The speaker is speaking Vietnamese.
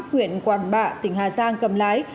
huyện quản bạ tỉnh hà giang cầm lái